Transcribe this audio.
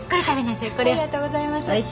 ありがとうございます。